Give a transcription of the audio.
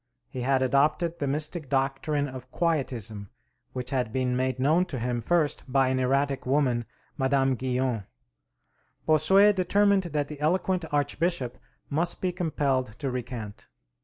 He had adopted the mystic doctrine of Quietism, which had been made known to him first by an erratic woman, Madame Guyon. Bossuet determined that the eloquent archbishop must be compelled to recant.